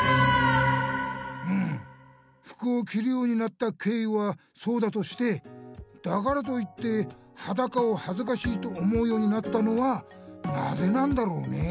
うん服をきるようになったけいいはそうだとしてだからといってはだかをはずかしいと思うようになったのはなぜなんだろうね？